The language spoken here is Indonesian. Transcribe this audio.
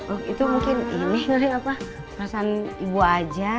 either mungkin doesn't ai harus ibu saja